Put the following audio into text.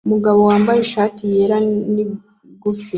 Umugabo wambaye ishati yera nigufi